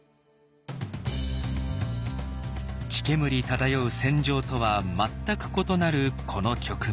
血煙漂う戦場とは全く異なるこの局面。